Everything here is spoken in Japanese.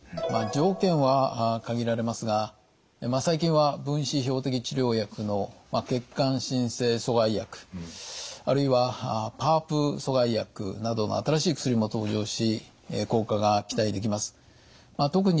条件は限られますが最近は分子標的治療薬の血管新生阻害薬あるいはＰＡＲＰ阻害薬などの新しい薬も登場し効果が期待できます。